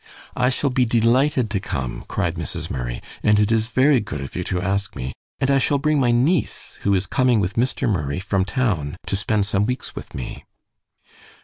"I shall be delighted to come," cried Mrs. Murray, "and it is very good of you to ask me, and I shall bring my niece, who is coming with Mr. Murray from town to spend some weeks with me."